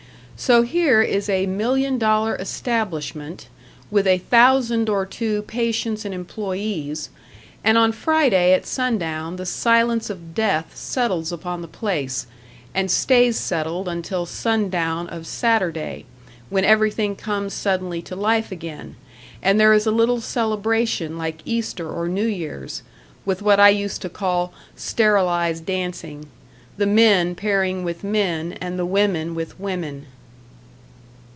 So here is a million dollar establishment, with a thousand or two patients and employees, and on Friday at sundown the silence of death settles upon the place, and stays settled until sundown of Saturday, when everything comes suddenly to life again, and there is a little celebration, like Easter or New Year's, with what I used to call "sterilized dancing" the men pairing with men and the women with women.